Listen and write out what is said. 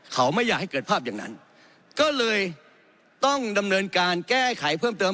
เขาไม่อยากให้เกิดภาพอย่างนั้นก็เลยต้องดำเนินการแก้ไขเพิ่มเติม